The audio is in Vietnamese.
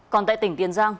còn tại tỉnh tiền giang